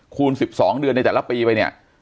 คูณ๑๒เดือนในแต่ละปีไปเนี่ย